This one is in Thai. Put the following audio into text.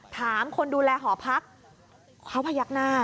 คนดูแลหอพักเขาพยักหน้า